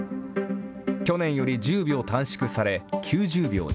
去年より１０秒短縮され、９０秒に。